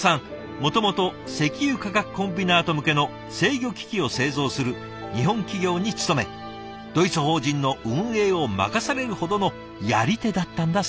もともと石油化学コンビナート向けの制御機器を製造する日本企業に勤めドイツ法人の運営を任されるほどのやり手だったんだそうです。